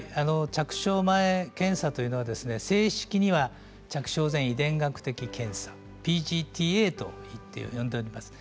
着床前検査は正式には着床前遺伝学的検査ＰＧＴ−Ａと呼んでおります。